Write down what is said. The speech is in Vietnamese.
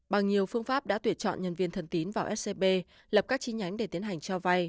bằng nhiều phương pháp đã tuyển chọn nhân viên thần tín vào scb lập các chi nhánh để tiến hành cho vay